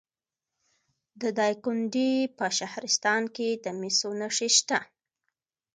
د دایکنډي په شهرستان کې د مسو نښې شته.